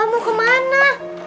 papa mau kemana